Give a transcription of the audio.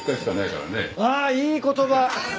あっいい言葉。